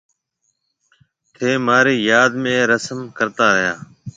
ٿَي مهارِي ياد ۾ اَي رسم ڪرتا رھيَََا۔